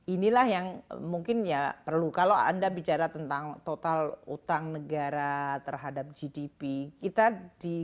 inilah yang mungkin ya perlu kalau anda bicara tentang total utang negara terhadap gdp kita di